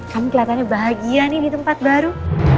kamu kelihatannya bahagia nih di tempat baru